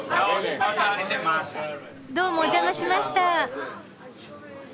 どうもお邪魔しました。